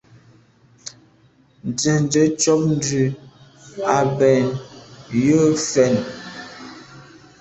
Nzenze tshob ndù à bèn jù fen.